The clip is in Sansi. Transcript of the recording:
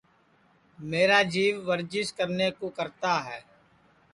میرا جیو ورجیس کرنے کُو کرتا ہے